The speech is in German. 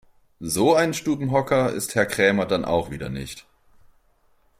So ein Stubenhocker ist Herr Krämer dann auch wieder nicht.